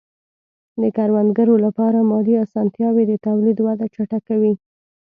د کروندګرو لپاره مالي آسانتیاوې د تولید وده چټکوي.